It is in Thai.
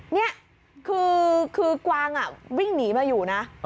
นี่คือกวางวิ่งหนีมาอยู่นะ